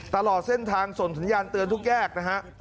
ตลอดเส้นทางส่งสัญญาณเตือนทุกแยกนะฮะ